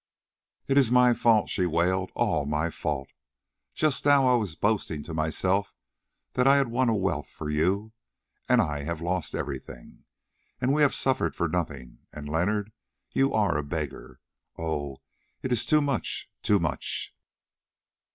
"It is my fault," she wailed, "all my fault. Just now I was boasting to myself that I had won wealth for you, and I have lost everything. And we have suffered for nothing, and, Leonard, you are a beggar. Oh! it is too much—too much!"